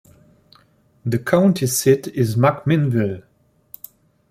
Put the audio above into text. The county seat is McMinnville.